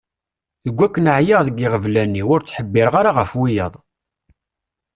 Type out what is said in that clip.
Deg wakken ɛyiɣ deg yiɣeblan-iw, ur ttḥebbireɣ ara ɣef wiyaḍ.